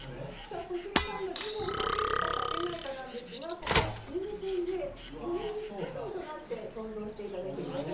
さあ小杉さんがズボンをはけるかはけないかなんですがここはチーム戦で４人一組となって想像して頂きます。